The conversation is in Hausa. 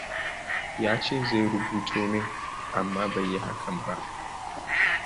Ya ce zai rubuto min, amma bai yi hakan ba.